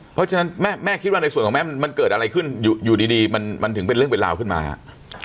เพราะฉะนั้นแม่คิดว่าในส่วนของแม่มันเกิดอะไรขึ้นอยู่ดีมันถึงเป็นเรื่องเป็นราวขึ้นมาฮะ